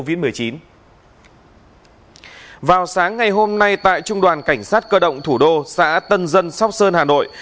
vào sáng ngày hôm nay tại trung đoàn cảnh sát cơ động thủ đô xã tân dân sóc sơn hà nội